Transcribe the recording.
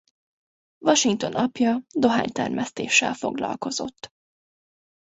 Washington apja dohánytermesztéssel foglalkozott.